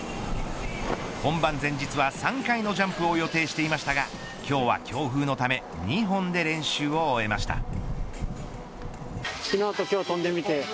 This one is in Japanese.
本番前日は３回のジャンプを予定していましたが今日は強風のため２本で練習を終えました。